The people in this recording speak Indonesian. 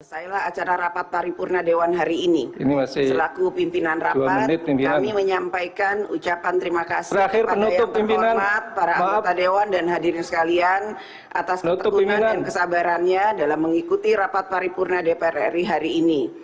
setelah acara rapat paripurna dewan hari ini selaku pimpinan rapat kami menyampaikan ucapan terima kasih kepada yang terhormat para anggota dewan dan hadirin sekalian atas ketekunan dan kesabarannya dalam mengikuti rapat paripurna dpr ri hari ini